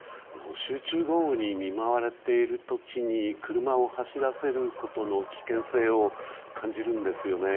集中豪雨に見舞われている時に車を走らせることの危険性を感じるんですよね。